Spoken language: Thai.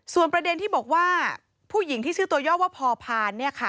ส่วนประเด็นที่บอกว่าผู้หญิงที่ซื้อตัวยอบว่าพอพานเนี่ยค่ะ